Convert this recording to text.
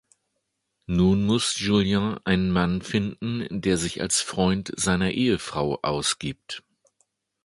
Nun muss Julian einen Mann finden, der sich als Freund seiner Ehefrau ausgibt.